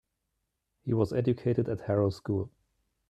He was educated at Harrow School.